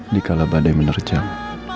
di kalabadai menerjang